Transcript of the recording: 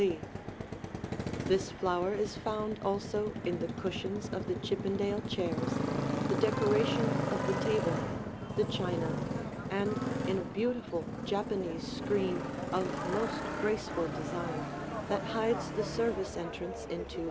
This flower is found also in the cushions of the Chippendale chairs, the decoration of the table, the china, and in a beautiful Japanese screen of most graceful design that hides the service entrance into this room.